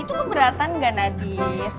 itu keberatan gak nadif